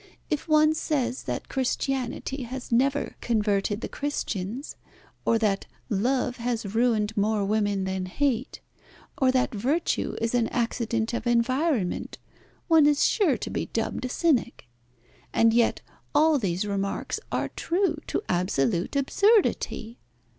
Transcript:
If one says that Christianity has never converted the Christians, or that love has ruined more women than hate, or that virtue is an accident of environment, one is sure to be dubbed a cynic. And yet all these remarks are true to absolute absurdity."